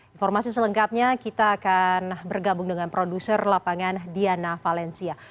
informasi selengkapnya kita akan bergabung dengan produser lapangan diana valencia